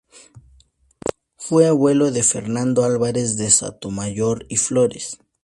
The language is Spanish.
Fue abuelo de Fernando Álvarez de Sotomayor y Flores.